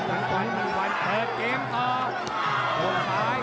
กาดเกมสีแดงเดินแบ่งมูธรุด้วย